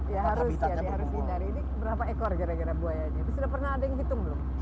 ya harus ya harus dihindari ini berapa ekor gara gara buayanya